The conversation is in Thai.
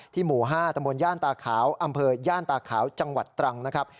หมู่๕ตำบลย่านตาขาวอำเภอย่านตาขาวจังหวัดตรังนะครับ